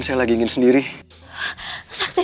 saya lagi ingin sendiri